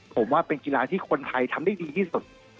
ผมว่าเป็นกีฬาที่คนไทยทำได้ดีที่สุด